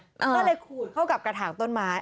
ก็เลยขูดเข้ากับกระถางต้นไม้